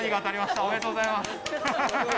おめでとうございます。